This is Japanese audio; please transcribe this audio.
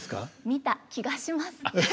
見た気がします。